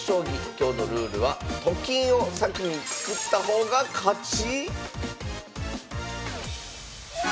今日のルールはと金を先に作った方が勝ち⁉